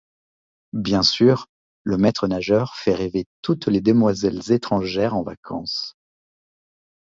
Bien sûr, le maître-nageur fait rêver toutes les demoiselles étrangères en vacances.